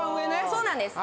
そうなんです